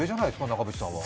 長渕さんは。